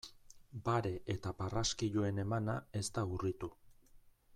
Bare eta barraskiloen emana ez da urritu.